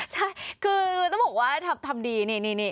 ใช่คือต้องบอกว่าทำดีนี่